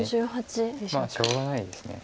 まあしょうがないです。